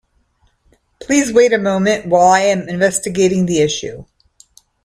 Please wait a moment while I am investigating the issue.